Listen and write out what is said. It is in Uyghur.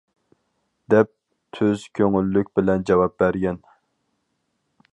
دەپ تۈز كۆڭۈللۈك بىلەن جاۋاب بەرگەن.